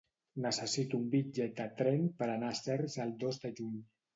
Necessito un bitllet de tren per anar a Cercs el dos de juny.